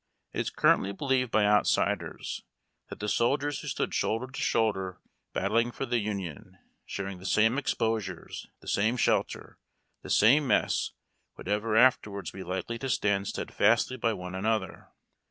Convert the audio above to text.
It is currently believed by outsiders that the soldiers who stood shoulder to shoulder battling for the Union, sharing the same exposures, the same shelter, the same mess would ever after wards be likely to stand steadfastly by one another.